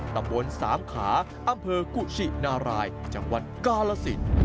ตำบลสามขาอำเภอกุชินารายจังหวัดกาลสิน